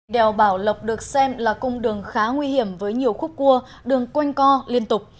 đèo bảo lộc được xem là cung đường khá nguy hiểm với nhiều khúc cua đường quanh co liên tục